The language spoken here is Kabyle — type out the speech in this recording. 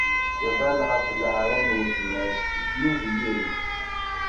Iḍall ɣef leɛra n weltma-s: ddnub i yiri-s.